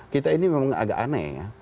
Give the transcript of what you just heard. kita ini memang agak aneh ya